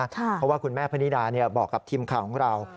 เพราะว่าคุณแม่พนิดาบอกกับทีมข่าวของเรา